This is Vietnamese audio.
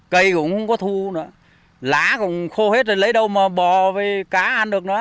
cây cũng không có thu nữa lá cũng khô hết rồi lấy đâu mà bò với cá ăn được nữa